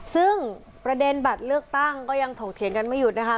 ซึ่งประเด็นบัตรเลือกตั้งก็ยังถกเถียงกันไม่หยุดนะคะ